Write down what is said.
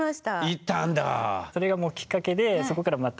行ったんだあ。